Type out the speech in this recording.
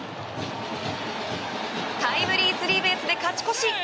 タイムリースリーベースで勝ち越し！